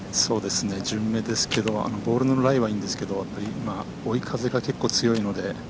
順目ですけどボールのライはいいんですけどやっぱり追い風が結構強いので。